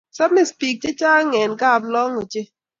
Samis pik che chnag en kaplong ochei